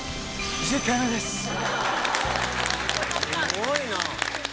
すごいな。